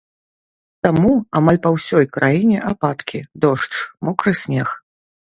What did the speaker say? Таму амаль па ўсёй краіне ападкі, дождж, мокры снег.